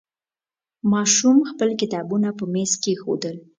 ماشوم خپل کتابونه په میز کېښودل.